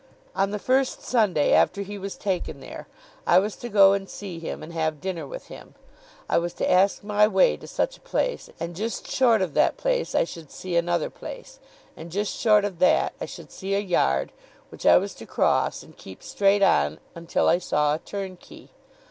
On the first Sunday after he was taken there, I was to go and see him, and have dinner with him. I was to ask my way to such a place, and just short of that place I should see such another place, and just short of that I should see a yard, which I was to cross, and keep straight on until I saw a turnkey.